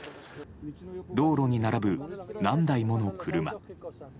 道路に並ぶ何台もの車。